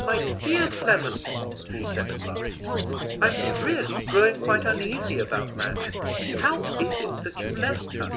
"My dear Clement," she said at last, "I'm really growing quite uneasy about Madge. How is it that you left her?"